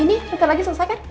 ini sebentar lagi selesai kan